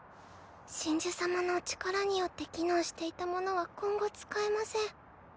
神樹様の力によって機能していたものは今後使えません。